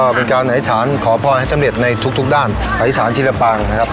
เป็นการอธิษฐานขอพรให้สำเร็จในทุกด้านอธิษฐานชีรปางนะครับ